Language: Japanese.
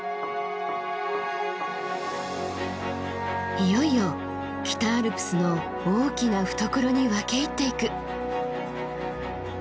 いよいよ北アルプスの大きな懐に分け入っていく。